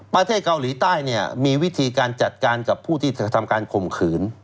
ประเทศเกาหลีใต้เนี่ยมีวิธีการจัดการกับผู้ที่กระทำการข่มขืน